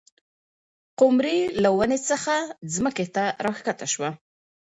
قمري له ونې څخه ځمکې ته راښکته شوه.